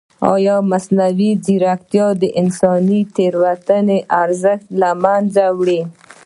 ایا مصنوعي ځیرکتیا د انساني تېروتنو ارزښت نه له منځه وړي؟